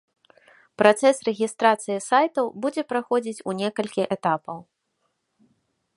Працэс рэгістрацыі сайтаў будзе праходзіць у некалькі этапаў.